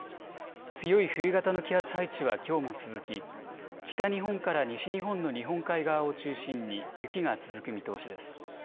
強い冬型の気圧配置はきょうも続き北日本から西日本の日本海側を中心に雪が続く見通しです。